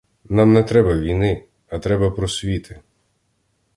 Нам не треба війни, а треба просвіти!